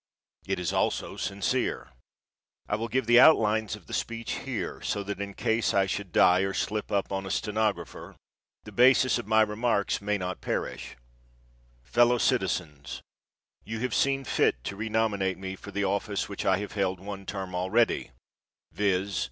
It is also sincere. I will give the outlines of the speech here, so that in case I should die or slip up on a stenographer the basis of my remarks may not perish: Fellow Citizens: You have seen fit to renominate me for the office which I have held one term already viz.